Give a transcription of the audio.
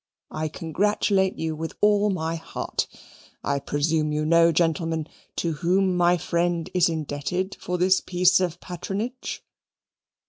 I congratulate you with all my heart. I presume you know, gentlemen, to whom my friend is indebted for this piece of patronage?"